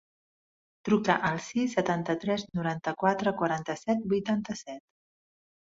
Truca al sis, setanta-tres, noranta-quatre, quaranta-set, vuitanta-set.